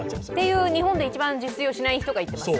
ていう日本で一番自炊をしない人が言ってます。